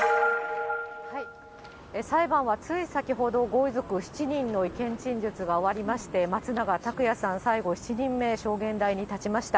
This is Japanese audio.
裁判はつい先ほど、ご遺族７人の意見陳述が終わりまして、松永拓也さん、最後、７人目、証言台に立ちました。